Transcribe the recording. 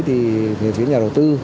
thì phía nhà đầu tư